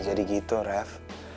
ya jadi gitu ref